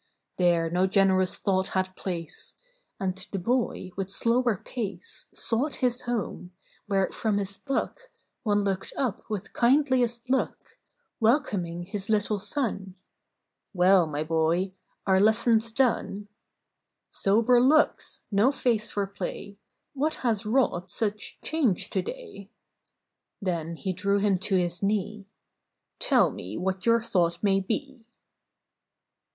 There no generous thought had place; And the hoy, with slower pace, Sought his home, where from his hook One looked up with kindliest look, Welcoming his little son :— "Well, my boy! are lessons done?" 8 114 SHIPS AT SEA. " Sober looks ! JSTo face for play ! What has wrought such change to day ?" Then he drew him to his knee. "Tell me what your thought may be!"